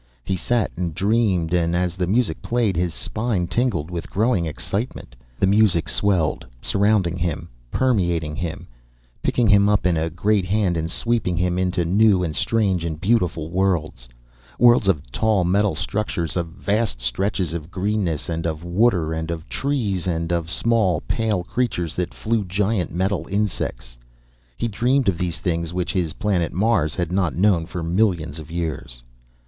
He sat and dreamed, and as the music played, his spine tingled with growing excitement. The music swelled, surrounding him, permeating him, picking him up in a great hand and sweeping him into new and strange and beautiful worlds worlds of tall metal structures, of vast stretches of greenness and of water and of trees and of small pale creatures that flew giant metal insects. He dreamed of these things which his planet Mars had not known for millions of years.